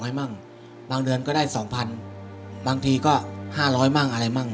ส่งให้บ้างบางเดือนก็ได้สองพันบางทีก็ห้าร้อยบ้างอะไรบ้าง